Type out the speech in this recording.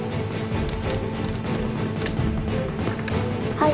はい。